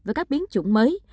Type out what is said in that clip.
với các biến chủng mới